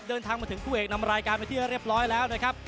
เดินทางมาถึงคู่เอกนำรายการไปที่เรียบร้อยแล้วนะครับ